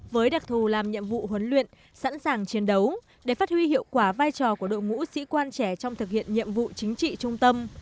với đặc thù làm nhiệm vụ huấn luyện sẵn sàng chiến đấu để phát huy hiệu quả vai trò của đội ngũ sĩ quan trẻ trong thực hiện nhiệm vụ chính trị trung tâm